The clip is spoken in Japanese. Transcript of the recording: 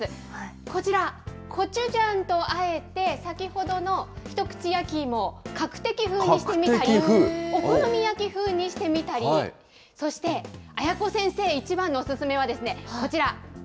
こちら、コチュジャンとあえて先ほどの一口焼き芋をカクテキ風にしてみたり、お好み焼き風にしてみたり、そして、絢子先生一番のお勧めは、こちら。